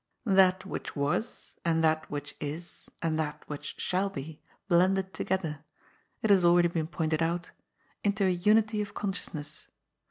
That which was, and that which is and that which shall be blended together — ^it has already been pointed out — into a unity of consciousness.